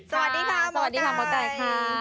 สวัสดีค่ะสวัสดีค่ะหมอไก่ค่ะ